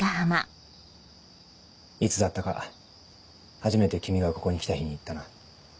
いつだったか初めて君がここに来た日に言ったな。